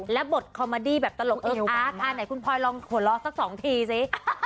และบทคอมมาดี้แบบตลกอึ๊บอ๊ะอ่าไหนคุณพลอยลองขวดล้อสัก๒ทีซิ